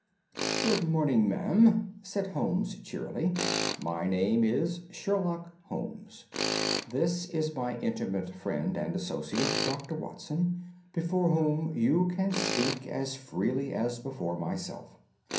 "Good morning, madam," said Holmes cheerily. "My name is Sherlock Holmes. This is my intimate friend and associate, Dr. Watson, before whom you can speak as freely as before myself.